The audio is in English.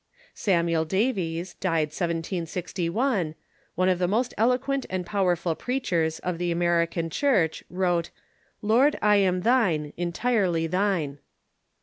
Samuel Davies (d. 1761), one of the most eloquent and power ful preachers of the American Church, wrote "Lord, I am thine, entirely thine."